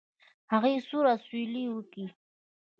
هغې سوړ اسويلى وکېښ.